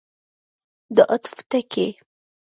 د عطف ټکی.